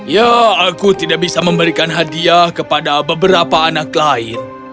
ya aku tidak bisa memberikan hadiah kepada beberapa anak lain